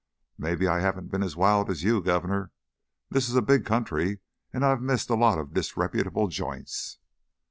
"Maybe I haven't been as wild as you, Governor. This is a big country and I've missed a lot of disreputable joints."